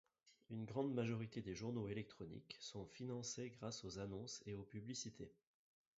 Une grande majorité des journaux électroniques sont financés grâce aux annonces et aux publicités.